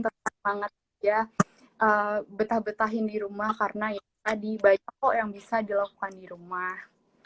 terus banget ya betah betahin di rumah karena ya tadi banyak kok yang bisa dilakukan di rumah